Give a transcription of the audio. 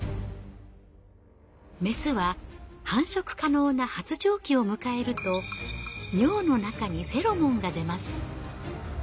メスは繁殖可能な発情期を迎えると尿の中にフェロモンが出ます。